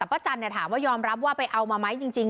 ป้าจันถามว่ายอมรับว่าไปเอามาไหมจริง